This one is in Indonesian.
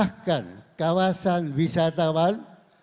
untuk memisahkan kawasan wisatawan